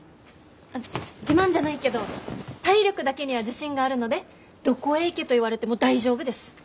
自慢じゃないけど体力だけには自信があるのでどこへ行けと言われても大丈夫です。